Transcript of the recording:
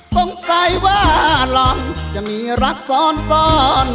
ต้องใจว่าหลอนจะมีรักสอนตอน